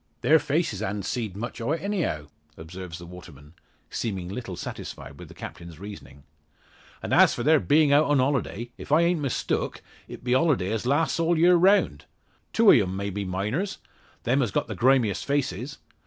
"Their faces han't seed much o' it anyhow," observes the waterman, seeming little satisfied with the Captain's reasoning. "And as for their being out on holiday, if I an't mistook, it be holiday as lasts all the year round. Two o' 'em may be miners them as got the grimiest faces.